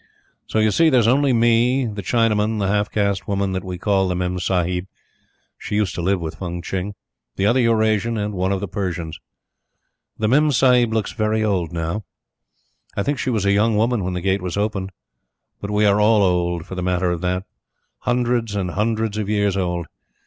So, you see, there is only me, the Chinaman, the half caste woman that we call the Memsahib (she used to live with Fung Tching), the other Eurasian, and one of the Persians. The Memsahib looks very old now. I think she was a young woman when the Gate was opened; but we are all old for the matter of that. Hundreds and hundreds of years old.